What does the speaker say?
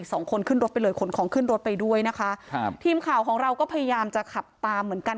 สองคนขึ้นรถไปเลยขนของขึ้นรถไปด้วยนะคะครับทีมข่าวของเราก็พยายามจะขับตามเหมือนกัน